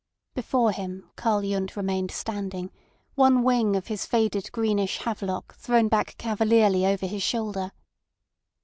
Before him, Karl Yundt remained standing, one wing of his faded greenish havelock thrown back cavalierly over his shoulder.